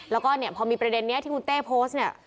แล้วก็เนี่ยพอมีประเด็นนี้ที่คุณเต้โพสต์เนี่ย